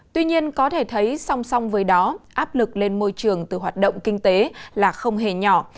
tuy nhiên có thể thấy song song với đó áp lực lên môi trường từ hoạt động kinh tế là không hề nhỏ